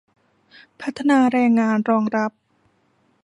พัฒนาแรงงานรองรับ